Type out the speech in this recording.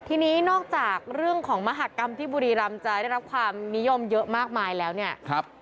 ทีนี้นอกจากเรื่องของมหากรรมที่บุรีรำจะได้รับความนิยมเยอะมากมายแล้วเนี่ย